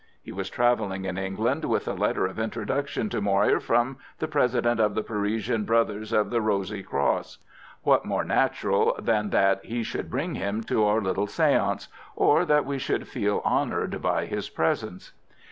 He was travelling in England with a letter of introduction to Moir from the President of the Parisian brothers of the Rosy Cross. What more natural than that he should bring him to our little séance, or that we should feel honoured by his presence?